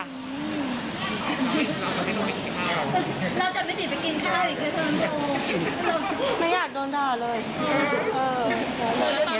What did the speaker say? เราจะไม่ได้ไปกินข้าวอีกครั้งไม่อยากโดนด่าเลยเออตอนนี้เหนื่อยไหม